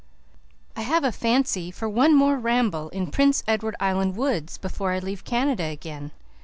"I have a fancy for one more ramble in Prince Edward Island woods before I leave Canada again.